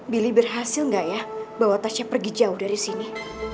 bili berhasil gak ya bawa tasya pergi jauh dari sini